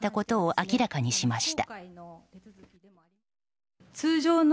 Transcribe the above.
明らかにしました。